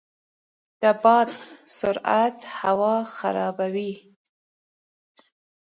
د باد سرعت هوا خړوبوي.